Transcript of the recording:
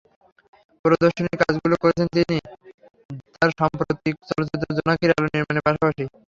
প্রদর্শনীর কাজগুলো করেছেন তিনি তাঁর সাম্প্রতিক চলচ্চিত্র জোনাকির আলো নির্মাণের পাশাপাশি।